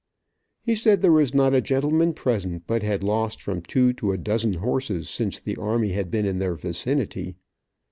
He said there was not a gentleman present but had lost from two to a dozen horses since the army had been in their vicinity.